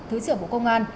thứ trưởng bộ công an